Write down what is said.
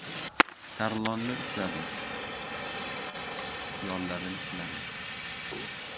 Tarlonni ushladim. Yollarini siladim.